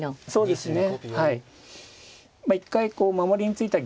そうですね。